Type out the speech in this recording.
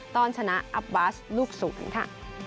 ต้อนชนะอับบาสลูกศูนย์ค่ะ